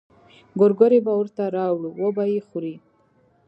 ګورګورې به ورته راوړو وبه يې خوري.